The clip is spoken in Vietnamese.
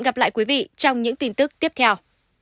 hẹn gặp lại quý vị trong những tin tức tiếp theo